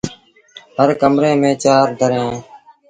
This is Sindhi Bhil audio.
هر ڪمري ميݩ چآر دريٚݩ اوهيݩ ۔